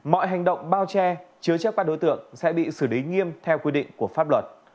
mọi hành động bao che chứa chấp các đối tượng sẽ bị xử lý nghiêm theo quy định của pháp luật